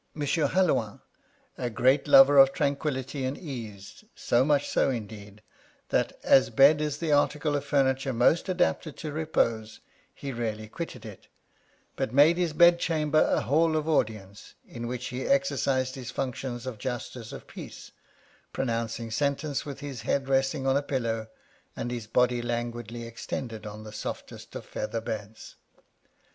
Halloin, a great lover 50 Strange Wills of tranquillity and ease ; so much so indeed, that, as bed is the article of furniture most adapted to repose, he rarely quitted it, but made his bed chamber a hall of audience, in which he exercised his functions of Justice of Peace, pronouncing sentence, with his head resting on a pillow, and his body languidly extended on the softest of feather beds.